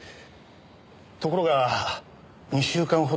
ところが２週間ほど前。